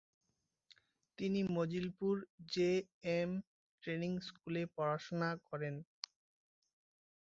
তিনি Majilpur J M training স্কুলে পড়াশুনা করেন।